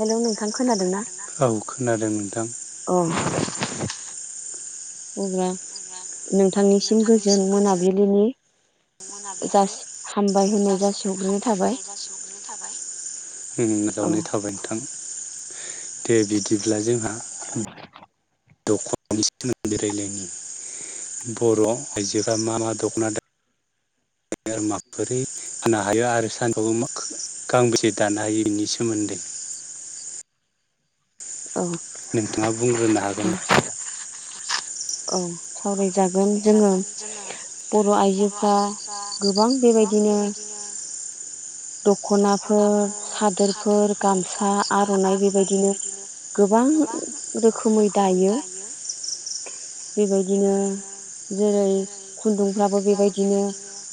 Hello हेल' नोंथां खोनादोंना खोनादों ना औ खोनादों नोंथां अ'। अब्ला नोंथांनिसिम गोजोन मोनाबिलिनि जासि मोनाबिलिनि हामबाय होननाय जासिहरग्रोनाय थाबाय औ [unintelligible] दे बिदिब्ला जोंहा दख'नानि सोमोन्दै रायलायनि। बर' आयजोफ्रा मा मा दख'ना दायो? आरो माबोरै फानो हायो आरो सानसेआव मा गांबेसे दानो हायो बेनि सोमोन्दै। [inaudible] औ नोंथाङा बुंग्रोनो हागोन दे। औ सावराय जागोन। जोङो बर' आइजोफ्रा गोबां बेबायदिनो [inaudible] दख'नाफोर सादोरफोर गामसा आर'नाइ बेबायदिनो गोबां रोखोमै दायो। बेबायदिनो जेरै खुन्दुंफ्राबो बेबायदिनो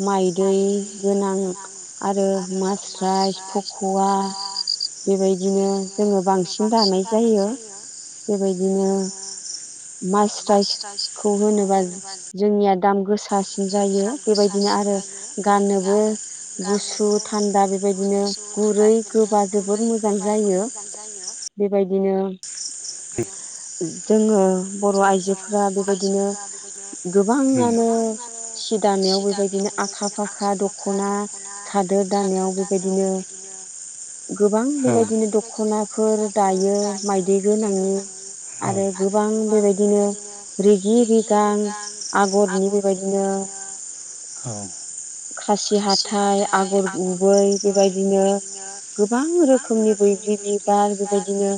माइदि गोनां आरो मास्राइस फाख'वा। बेबायदिनो जोङो बांसिन दानाय जायो। बेबायदिनो मास्रायसखौ होनोबा जोंनि दाम गोसासिन जायो बेबायदिनो आरो गाननोबो गुुसु थान्दा बेबायदिनो गुरै गोबा जोबोर मोजां जायो बेबायद दिनो [inaudible] जोङो बर' आइजोफोरा बेबायदिनो गोबाङानो सि दानायाव बेबायदि आखा फाखा दख'ना सादोर दानायाव बेबायदिनो गोबां बेबायदिनो दख'नाफोर दायो माइदि गोनां आरो गोबां गोबां बेबायदिनो रिगि रिगां आगरनि बेबायदिनो औ। खासि हाथाय आगर गुबै बेबायदिनो गोबां रोखोमनि बैग्रि बिबार बेबायदिनो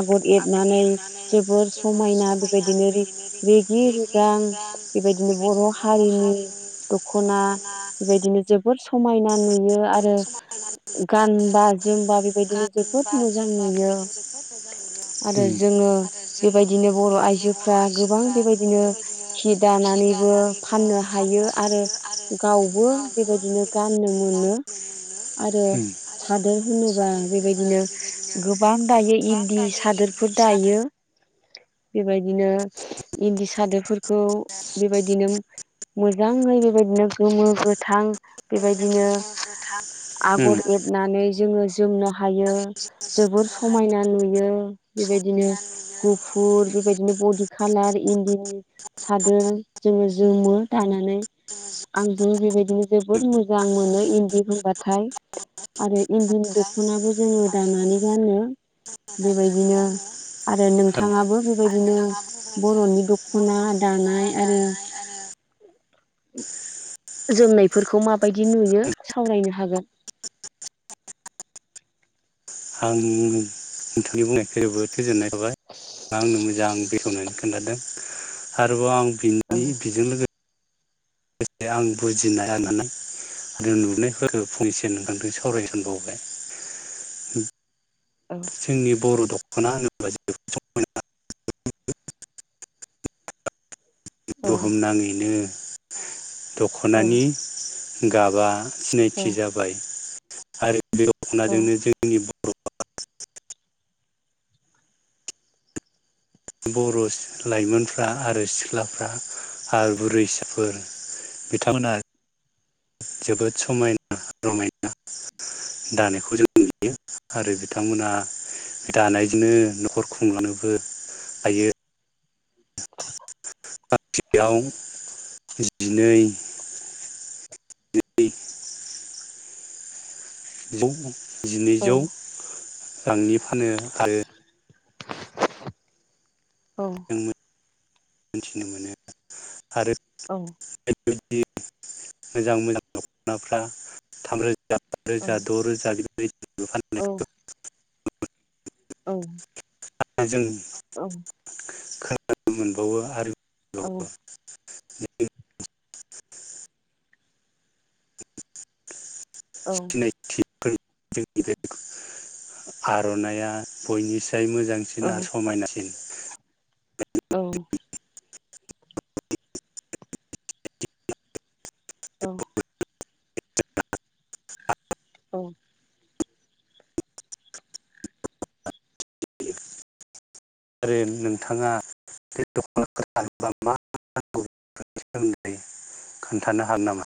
आगर एरनानै जोबोर समायना बेबायदिनो रिग रिगि रिगां सिगां बेबायदिनो बर' हारिनि दख'ना बेबायदिनो जोबोर समायना नुयो आरो गानबा जोमबा बेबायदिनो जोबोद मोजां नुयो आरो जोङो बेबायदिनो बर' आइजोफ्रा गोबां बेबायदिनो सि दानानैबो फानो। नो हायो आरो गावबो बेबायदिनो गाननो मोनो आरो होम। सादोर होनोबा बेबायदिनो गोबां दायो इन्दि सादोरफोर दायो। बेबायदिनो इन्दि सादोरफोरखौ बेबायदिनो मोजाङै बेबायदिनो गोमो गोथां बेबायद आगर एरनानै जोङो जोमनो हायो जोबोर समायना नुयो बेबायदिनो। गुफुर बेबायदिनो बडि खालार इन्दिनि सादोर जोङो जोमो। दानानै आंबो बेबायदिनो जोबोद मोजां मोनो इन्दि होनबाथाय। आरो इन्दिनि दखनाबो जोङो दानानै गानो। [inaudible] बेबायदिनो आरो नोंथाङाबो बेबायदिनो बर'नि दखना दानाय आरो दानाय आरो। [inaudible] बेफोरखौ माबायदि नुयो सावरायनो हागोन। आं नोंथांनि बुंनायखौ जोबोद गोजोननाय थाबाय आंनो मोजां आ बेखेवनानै खोन्थादों आरोबाव आं औ बिनि बेजों लोगोसे आं बुजिनायनानै आरो नुबनाय फंनैसो नखांथ सावरायसनबावबाय। औ जोंनि बर' दख'ना होनोब्ला जोबोर समायना। औ बुहुमनााङैनो दख'नानि गाबा औ सिनायथि जाबाय आरो बे दख'नाजोंनो जोंनि [unintelligible] बर' लाइमोनफ्रा आरो सिख्लाफ्रा आरो बुरैसाफोर बिथांमोना जोबोद समायना रमायना दानायखौ जों आरो बिथांमोना दानायजोंनो न'खर खुंलांनोबो। आयायो। बांसेयाव जिनै [inaudible] औ औ जिनैजौ रांनि फानो आरो औ। जों मोनथिनो मोनो आरो बेदि मोजां मोजां दख'नाफ्रा थामरो औ [unintelligible] औ। जों औ। ख मोनबावो आरो औ ज औ नायथि जोंनि बे आर'नायइया बयनिसिम फाय मोजांसिन आरो समायनासिन। औ। औ। औ। [unintelligible] आरो नोंथाङा [unintelligible] मा [unintelligible] खोन्थानो हागोन नामा?